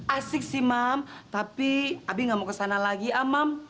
asik sih mam tapi abi nggak mau ke sana lagi ah mam